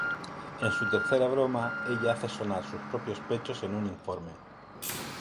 En su tercera broma, ella hace sonar sus propios pechos en un informe.